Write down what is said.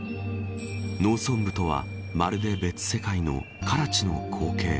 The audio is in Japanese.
農村部とはまるで別世界のカラチの光景。